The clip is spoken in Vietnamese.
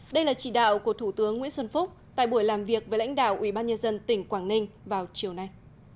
đây là chỉ đạo của thủ tướng nguyễn xuân phúc tại buổi làm việc với lãnh đạo ubnd tỉnh quảng ninh vào chiều nay